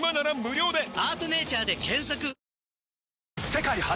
世界初！